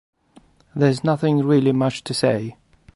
There's nothing really much to say.